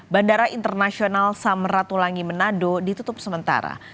bandara internasional samratulangi manado ditutup sementara